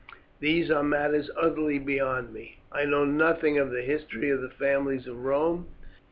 These are matters utterly beyond me. I know nothing of the history of the families of Rome.